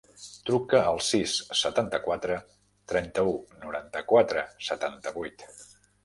Truca al sis, setanta-quatre, trenta-u, noranta-quatre, setanta-vuit.